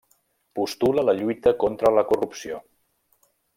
Postula la lluita contra la corrupció.